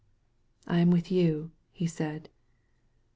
"I am with you," he said.